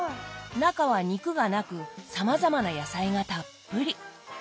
中は肉がなくさまざまな野菜がたっぷり。